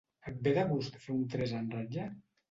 Et ve de gust fer un tres en ratlla?